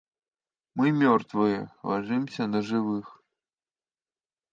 — Мы мертвые, ложимся на живых.